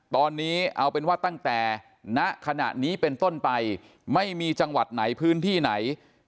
ตอนนี้เอาเป็นว่าตั้งแต่ณขณะนี้เป็นต้นไปไม่มีจังหวัดไหนพื้นที่ไหน